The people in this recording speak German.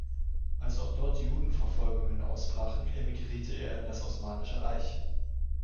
Als auch dort Judenverfolgungen ausbrachen, emigrierte er in das Osmanische Reich.